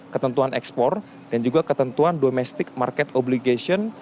ketentuan ekspor dan juga ketentuan domestic market obligation